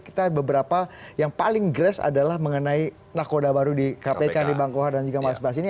kita ada beberapa yang paling gres adalah mengenai nakoda baru di kpk di bang kohar dan juga mas bas